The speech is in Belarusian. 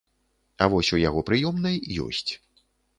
А вось у яго прыёмнай ёсць.